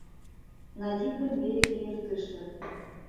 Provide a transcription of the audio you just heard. На диком береге Иртыша